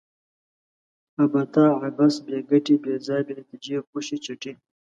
ابته ؛ عبث، بې ګټي، بې ځایه ، بې نتیجې، خوشي چټي